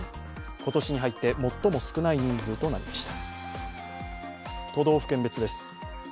今年に入って最も少ない人数となりました。